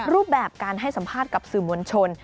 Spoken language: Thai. รูปแบบการให้สัมภาษณ์กับสื่อมวลชน